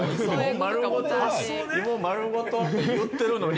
◆芋丸ごとって言ってるのに。